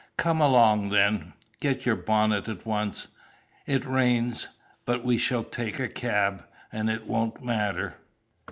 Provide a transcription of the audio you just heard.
"Come along, then. Get your bonnet at once. It rains, but we shall take a cab, and it won't matter."